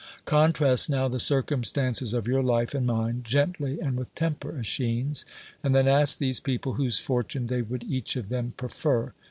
Contrast now the circumstances of your life and mine, gently and with temper, ^Eschines ; and then ask these people whose fortune they would each of them prefer.